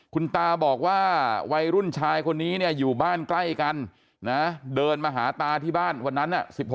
คุณตาบอกว่าวัยรุ่นชายคนนี้เนี่ยอยู่บ้านใกล้กันนะเดินมาหาตาที่บ้านวันนั้น๑๖